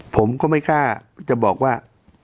ผมก็ไม่กล้าจะบอกว่า